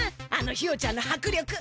あのひよちゃんのはく力！